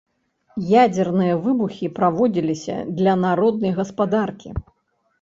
Ядзерныя выбухі праводзіліся для народнай гаспадаркі.